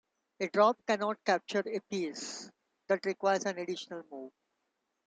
A drop cannot capture a piece; that requires an additional move.